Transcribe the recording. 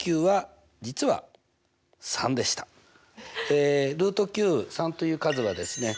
え３という数はですね